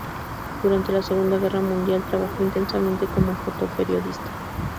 Durante la Segunda Guerra Mundial trabajó intensamente como fotoperiodista.